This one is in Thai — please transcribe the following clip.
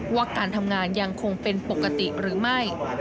ว่าการทำงานยังคงเป็นปกติหรือไม่